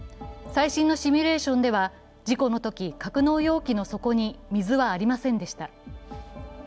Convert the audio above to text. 最新のシミュレーションでは事故のとき格納容器の底に水はありませんでした。